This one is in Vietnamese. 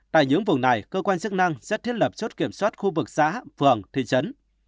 tại những vùng này cơ quan chức năng sẽ thiết lập chốt kiểm soát khu vực xã phường thị trấn